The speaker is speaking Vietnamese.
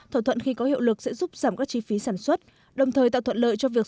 thỏa thuận khi có hiệu lực sẽ giúp giảm các chi phí sản xuất đồng thời tạo thuận lợi cho việc